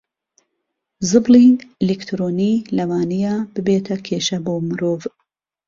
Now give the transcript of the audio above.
زبڵی ئەلیکترۆنی لەوانەیە ببێتە کێشە بۆ مرۆڤ